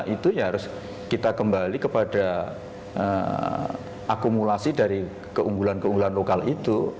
itu ya harus kita kembali kepada akumulasi dari keunggulan keunggulan lokal itu